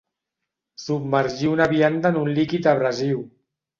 Submergir una vianda en un líquid abrasiu.